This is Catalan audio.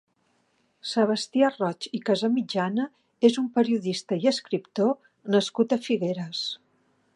Sebastià Roig i Casamitjana és un periodista i escriptor nascut a Figueres.